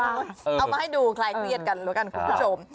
เอามาให้ดูคลายเครียดกันแล้วกันคุณผู้ชม